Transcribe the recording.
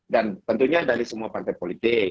dan tentunya dari semua partai politik